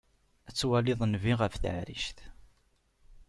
Ad twaliḍ nnbi ɣef taɛrict.